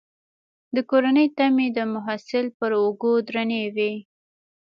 د کورنۍ تمې د محصل پر اوږو درنې وي.